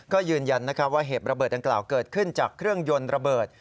ก็ยืนยันว่าเหตุระเบิดดังกล่าวเกิดขึ้นจากเครื่องยนต์ระเบิด